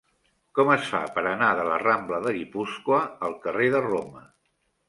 Com es fa per anar de la rambla de Guipúscoa al carrer de Roma?